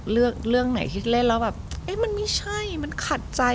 เรื่องไหนที่เล่นแล้วแบบเอ๊ะมันไม่ใช่มันขัดใจ